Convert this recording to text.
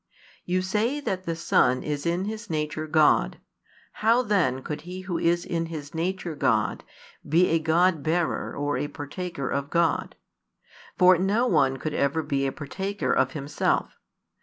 You say that the Son is in His nature God: how then could He Who is in His nature God be a God bearer or a partaker of God? For no one could ever be a partaker of himself.